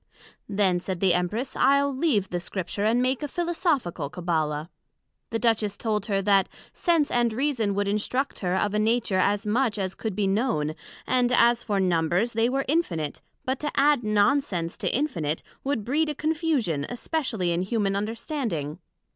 Then, said the Empress, I'le leave the Scripture, and make a Philosophical Cabbala. The Duchess told her, That, Sense and Reason would instruct her of a Nature as much as could be known; and as for Numbers, they were infinite; but to add non sense to infinite, would breed a confusion, especially in Humane Understanding.